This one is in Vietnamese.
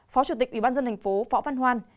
phó chủ tịch ubnd tp phó văn hoan